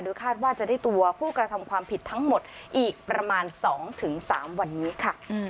คาดว่าจะได้ตัวผู้กระทำความผิดทั้งหมดอีกประมาณ๒๓วันนี้ค่ะ